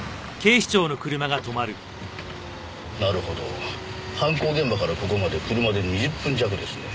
なるほど犯行現場からここまで車で２０分弱ですね。